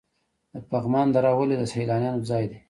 د پغمان دره ولې د سیلانیانو ځای دی؟